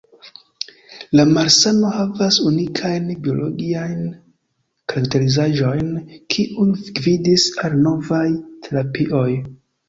La malsano havas unikajn biologiajn karakterizaĵojn, kiuj gvidis al novaj terapioj.